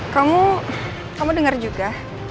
kamu kamu denger juga